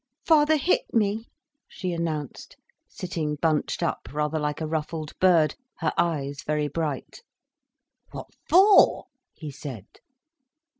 "Father hit me," she announced, sitting bunched up, rather like a ruffled bird, her eyes very bright. "What for?" he said.